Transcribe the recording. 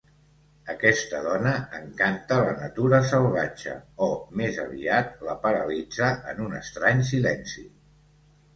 Aquesta dona encanta la natura salvatge o, més aviat, la paralitza en un estrany silenci.